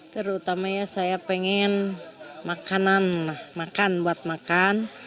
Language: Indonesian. terutamanya saya pengen makanan makan buat makan